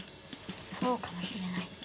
そうかもしれない。